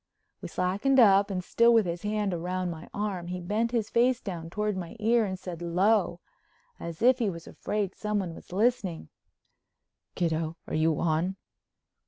We slackened up and still with his hand around my arm, he bent his face down toward my ear and said low, as if he was afraid someone was listening: "Kiddo, are you on?"